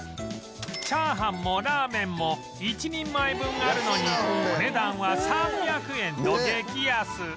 チャーハンもラーメンも一人前分あるのにお値段は３００円と激安